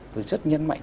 tôi rất nhấn mạnh